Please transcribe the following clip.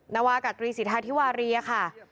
นวากับทรีศัฐาธิวารียลัย